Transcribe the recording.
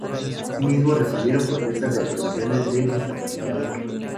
Asimismo, se recibieron protestas de agrupaciones de discapacitados.